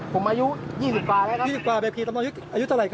สำเนาคู่มือรถผมไม่ได้อยู่ในรถ